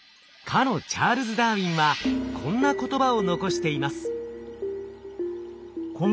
かのチャールズ・ダーウィンはこんな言葉を残しています。